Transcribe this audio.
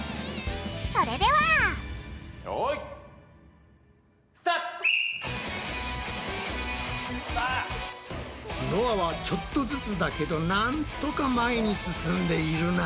それではよい！のあはちょっとずつだけどなんとか前に進んでいるな。